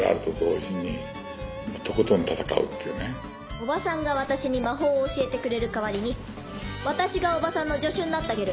おばさんが私に魔法を教えてくれる代わりに私がおばさんの助手になってあげる。